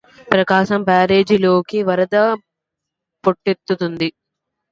ప్రకాశం బ్యారేజిలోకి వరద పోటెత్తుతోంది